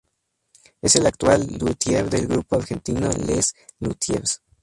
Es el actual Luthier del grupo argentino Les Luthiers.